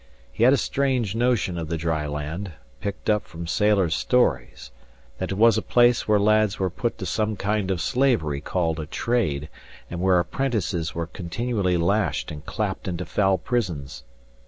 He had a strange notion of the dry land, picked up from sailor's stories: that it was a place where lads were put to some kind of slavery called a trade, and where apprentices were continually lashed and clapped into foul prisons.